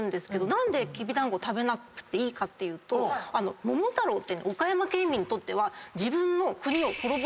何できびだんご食べなくていいかっていうと桃太郎って岡山県民にとっては自分の国を滅ぼした敵なんです。